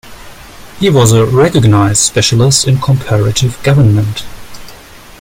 He was a recognized specialist in Comparative Government.